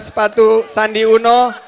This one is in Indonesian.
sepatu sandi uno